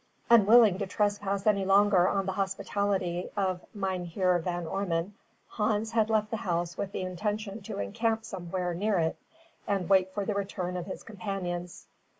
Unwilling to trespass any longer on the hospitality of Mynheer Van Ormon, Hans had left the house with the intention to encamp somewhere near it, and wait for the return of his companions.